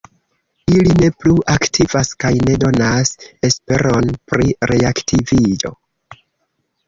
Ili ne plu aktivas kaj ne donas esperon pri reaktiviĝo.